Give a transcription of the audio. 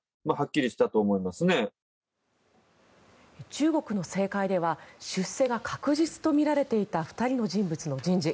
中国の政界では出世が確実とみられていた２人の人物の人事。